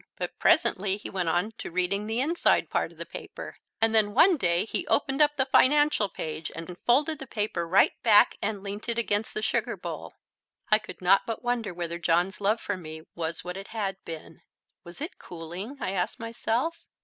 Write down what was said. But presently he went on to reading the inside part of the paper, and then one day he opened up the financial page and folded the paper right back and leant it against the sugar bowl. I could not but wonder whether John's love for me was what it had been. Was it cooling? I asked myself.